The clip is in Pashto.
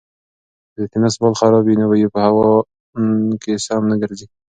که د تېنس بال خراب وي نو په هوا کې سم نه ګرځي.